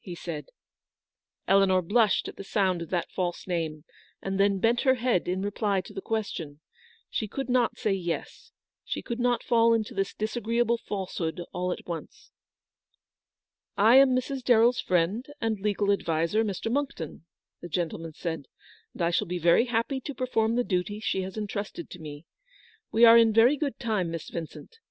" he said. Eleanor blushed at the sound of that false name, and then bent her head in reply to the question. She could not say yes. She could not fall into this disagreeable falsehood all at once. " I am Mrs. DarrelFs friend and legal adviser, Mr. Monckton/' the gentleman said, " and I shall be very happy to perform the duty she has entrusted to me. We are in very good time, Miss Vincent.